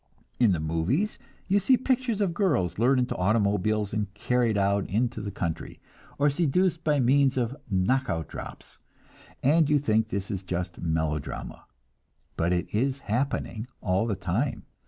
In the "movies" you see pictures of girls lured into automobiles, and carried out into the country, or seduced by means of "knock out drops," and you think this is just "melodrama"; but it is happening all the time.